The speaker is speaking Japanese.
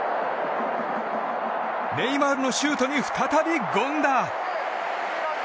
ネイマールのシュートに再び権田！